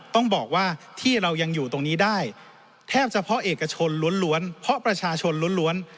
ต้องบอกว่าที่เรายังอยู่ตรงนี้ได้แทบเฉพาะเอกชนล้วนเพราะประชาชนล้วน